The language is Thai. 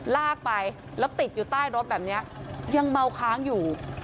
ลากไปแล้วติดอยู่ใต้รถแบบนี้ยังเมาค้างอยู่